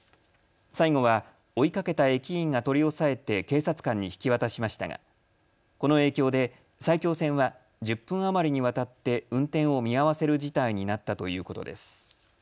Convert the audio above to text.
最後は、追いかけた駅員が取り押さえて警察官に引き渡しましたがこの影響で埼京線は１０分余りにわたって運転を見合わせる事態になったということです。